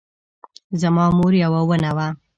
زما مور یوه ونه وه